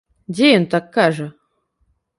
Дзе ён так кажа?